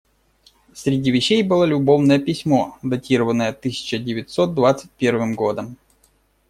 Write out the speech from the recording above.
Среди вещей было любовное письмо, датированное тысяча девятьсот двадцать первым годом.